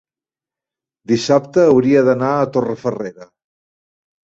dissabte hauria d'anar a Torrefarrera.